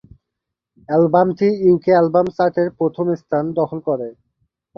অ্যালবামটি UK album চার্টের প্রথম স্থান দখল করে।